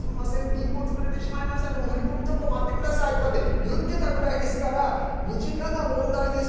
銀行潰れてしまいましたんで振り込みちょっと待ってくださいとかって言ってたくらいですから身近な問題です。